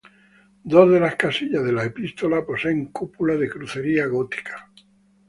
Dos de las capillas de la epístola poseen cúpula de crucería gótica.